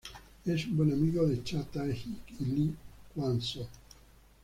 Es buen amigo de Cha Tae Hyun y Lee Kwang-soo.